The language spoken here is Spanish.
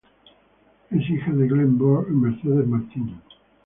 Es hija de Glenn Burr y Mercedes Martín.